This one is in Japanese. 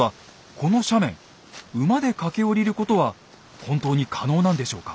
この斜面馬で駆け下りることは本当に可能なんでしょうか？